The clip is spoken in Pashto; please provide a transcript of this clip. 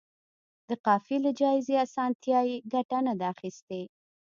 د قافیې له جائزې اسانتیا یې ګټه نه ده اخیستې.